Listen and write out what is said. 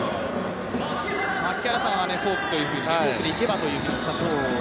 槙原さんはフォークでいけばとおっしゃっていましたが。